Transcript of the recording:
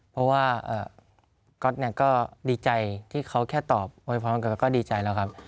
เพราะว่าก็ดีใจที่เขาแค่ตอบวันพร้อมเกิดแล้วก็ดีใจแล้วครับ